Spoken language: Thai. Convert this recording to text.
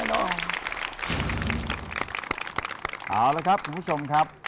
เอาละครับคุณผู้ชมครับ